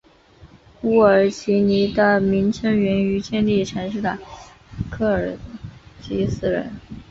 乌尔齐尼的名称源于建立城市的科尔基斯人。